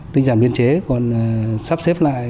tinh giản biên chế còn sắp xếp lại